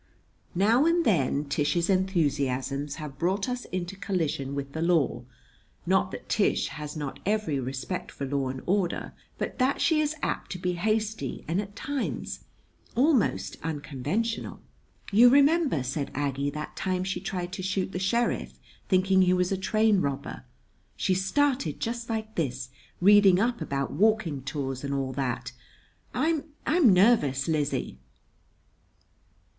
[Now and then Tish's enthusiasms have brought us into collision with the law not that Tish has not every respect for law and order, but that she is apt to be hasty and at times almost unconventional.] "You remember," said Aggie, "that time she tried to shoot the sheriff, thinking he was a train robber? She started just like this reading up about walking tours, and all that. I I'm nervous, Lizzie."